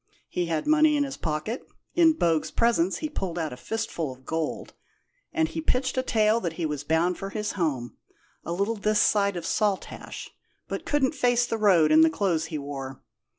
He had money in his pocket in Bogue's presence he pulled out a fistful of gold and he pitched a tale that he was bound for his home, a little this side of Saltash, but couldn't face the road in the clothes he wore.